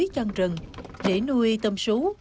trên rừng để nuôi tôm sú